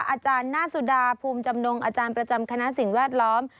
อาจารย์หน้าสุดาภูมิจำนงอาจารย์ประจำคณะสิ่งแวดล้อม